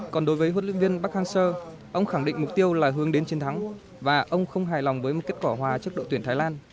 còn đối với huấn luyện viên park hang seo ông khẳng định mục tiêu là hướng đến chiến thắng và ông không hài lòng với một kết quả hòa trước đội tuyển thái lan